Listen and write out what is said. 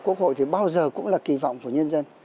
quốc hội thì bao giờ cũng là kỳ vọng của nhân dân